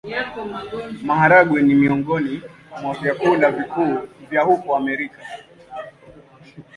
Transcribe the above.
Maharagwe ni miongoni mwa vyakula vikuu vya huko Amerika.